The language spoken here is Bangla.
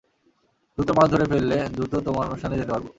দ্রুত মাছ ধরে ফেললে দ্রুত তোমার অনুষ্ঠানে যেতে পারব।